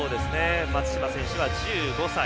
松島選手は１５歳。